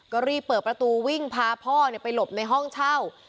ก็รีบเปิดประตูวิ่งพาพ่อไปหลบในห้องเช่า